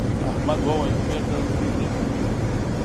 احمد وویل بېرته سفینې ته ځو.